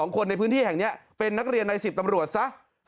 คนในพื้นที่แห่งนี้เป็นนักเรียนใน๑๐ตำรวจซะ